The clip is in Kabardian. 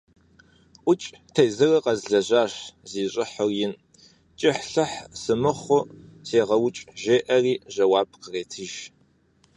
- УкӀ тезырыр къэзлэжьащ, зи щӀыхьыр ин, кӀыхь–лӏыхь сымыхъуу сегъэукӀ, – жеӀэри жэуап къретыж.